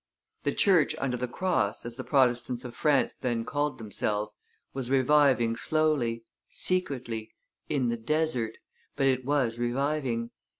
The Church under the Cross, as the Protestants of France then called themselves, was reviving slowly, secretly, in the desert, but it was reviving.